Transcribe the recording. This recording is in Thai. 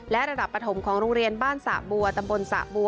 และระดับปฐมของโรงเรียนบ้านสะบัวตำบลสะบัว